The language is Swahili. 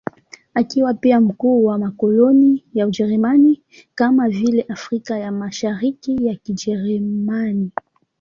Akiwa pia mkuu wa makoloni ya Ujerumani, kama vile Afrika ya Mashariki ya Kijerumani.